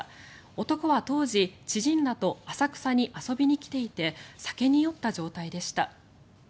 男は当時知人らと浅草に遊びに来ていて酒に酔った状態でした。